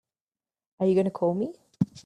Are you going to call me?